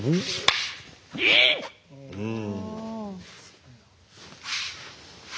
うん。